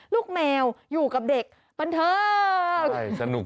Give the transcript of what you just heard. ลูกแมวอยู่กับเด็กบันเทิง